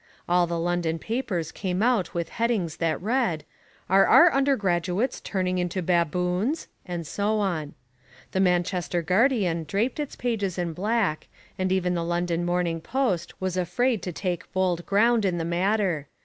All the London papers came out with headings that read, ARE OUR UNDERGRADUATES TURNING INTO BABOONS? and so on. The Manchester Guardian draped its pages in black and even the London Morning Post was afraid to take bold ground in the matter.